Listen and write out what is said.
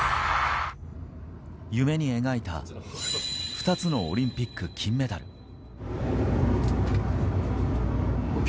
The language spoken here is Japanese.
夢に描いた２つのオリンピック金メダル。